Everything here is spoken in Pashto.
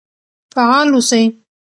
فعال اوسئ.